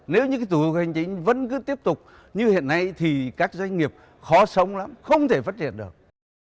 nếu những thủ tục hành chính vẫn cứ tiếp tục như hiện nay thì các doanh nghiệp khó sống lắm không thể phát triển được